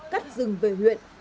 cắt rừng về huyện